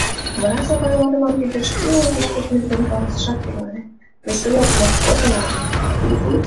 — Вара Сапан ватылан тиде шке уна ватыж нерген каласылаш тӱҥалеш: Вет тудо Москотым ужын.